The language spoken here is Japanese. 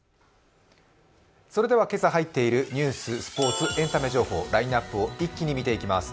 それでは今朝入っているニュース、スポーツ、エンタメ情報、ラインナップを一気に見ていきます。